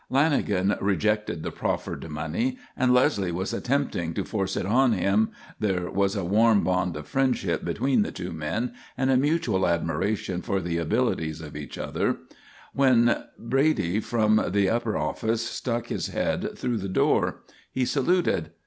Lanagan rejected the proffered money, and Leslie was attempting to force it on him there was a warm bond of friendship between the two men and a mutual admiration for the abilities of each other when when Brady from the upper office stuck his head through the door. He saluted.